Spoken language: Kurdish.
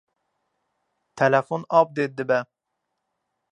Telefon min appdêt dibe.